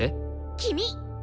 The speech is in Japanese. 君！